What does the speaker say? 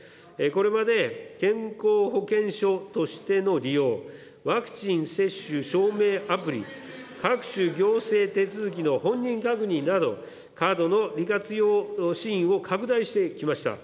これまで健康保険証としての利用、ワクチン接種証明アプリ、各種行政手続きの本人確認など、カードの利活用シーンを拡大してきました。